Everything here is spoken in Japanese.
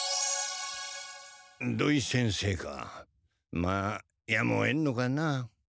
土井先生かまあやむをえんのかなあ。